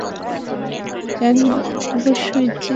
অবশ্যই, জ্যানি।